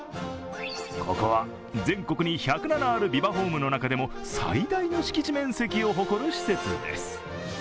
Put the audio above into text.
ここは全国に１０７あるビバホームの中でも最大の敷地面積を誇る施設です。